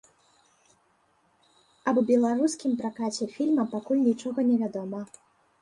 Аб беларускім пракаце фільма пакуль нічога не вядома.